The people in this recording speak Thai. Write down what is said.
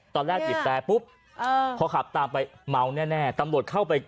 ตอนแรกติดแสปุ๊บเอ่อพอขับตามไปเมาแน่แน่ตำรวจเข้าไป